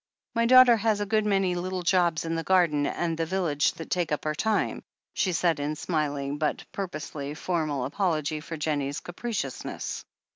"My daughter has a good many little jobs in the garden and the village that take up her time/' she said in smiling but purposely formal apology for Jennie's capriciousness.